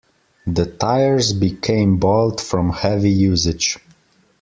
The tires became bald from heavy usage.